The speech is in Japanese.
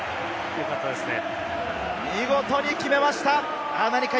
よかったですね。